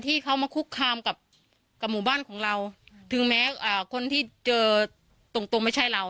ที่เขามาคุกคามกับหมู่บ้านของเราถึงแม้คนที่เจอตรงตรงไม่ใช่เรา